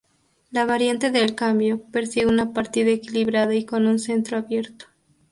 La variante del cambio persigue una partida equilibrada y con un centro abierto.